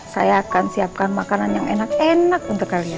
saya akan siapkan makanan yang enak enak untuk kalian